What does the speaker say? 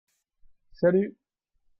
Salut.